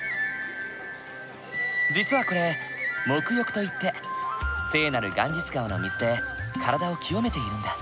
実はこれ沐浴といって聖なるガンジス川の水で体を清めているんだ。